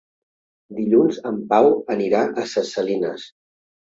Dilluns en Pau anirà a Ses Salines.